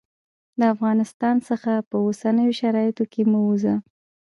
د افغانستان څخه په اوسنیو شرایطو کې مه ووزه.